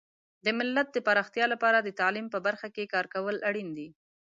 د ملت د پراختیا لپاره د تعلیم په برخه کې کار کول اړین دي.